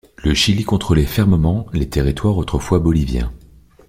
Le Chili contrôlait fermement les territoires autrefois boliviens.